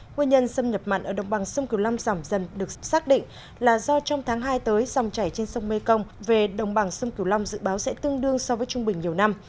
nguyên nhân xâm nhập mặn ở đồng bằng sông cửu long giảm dần được xác định là do trong tháng hai tới dòng chảy trên sông mê công về đồng bằng sông cửu long dự báo sẽ tương đương so với trung bình nhiều năm